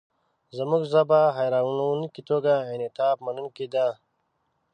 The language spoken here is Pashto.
زموږ ژبه حیرانوونکې توګه انعطافمنونکې ده.